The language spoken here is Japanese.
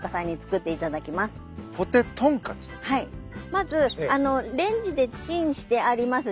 まずレンジでチンしてあります